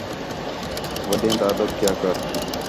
وݙیں تا ادب کیا کر